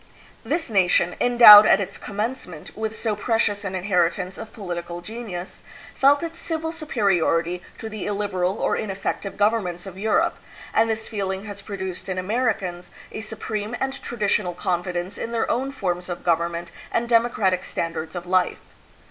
This nation, endowed at its commencement with so precious an inheritance of politi cal genius, felt its civil superiority to the illiberal or in effective governments of Europe, and this feeling has 287 MINDANAO, VISAYAS, AND PAKAGUA 120 Longitude 288 290 THE PHILIPPINES. produced in Americans a supreme and traditional con fidence in their own forms of government and democratic standards of life.